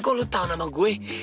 kok lo tau nama gue